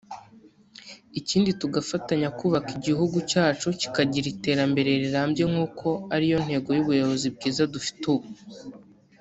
Ikindi tugafatanya kubaka igihugu cyacu kikagira iterambere rirambye nk’uko ari yo ntego y’ubuyobozi bwiza dufite ubu